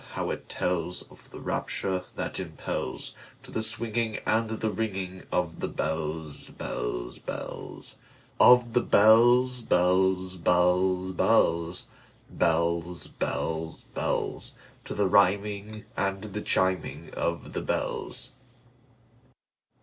how it tellsOf the rapture that impelsTo the swinging and the ringingOf the bells, bells, bells, Of the bells, bells, bells, bells, Bells, bells, bells—To the rhyming and the chiming of the bells!